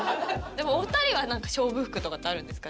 お二人は勝負服とかってあるんですか？